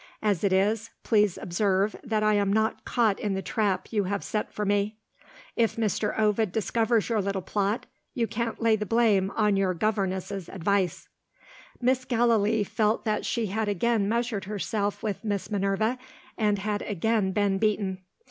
As it is, please observe that I am not caught in the trap you have set for me. If Mr. Ovid discovers your little plot, you can't lay the blame on your governess's advice." Mrs. Gallilee felt that she had again measured herself with Miss Minerva, and had again been beaten.